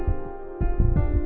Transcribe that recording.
dan kita harus politician